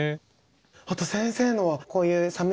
あと先生のはこういう寒い季節